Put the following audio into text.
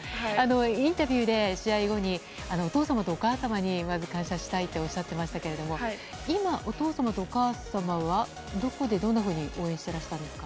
インタビューで試合後にお父様とお母様にまず感謝したいとおっしゃっていましたが今、お父様とお母様はどこでどんなふうに応援されてたんですか？